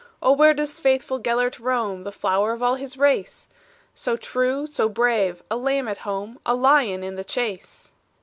"Oh, where does faithful Gelert roam, The flower of all his race? So true, so brave a lamb at home, A lion in the chase."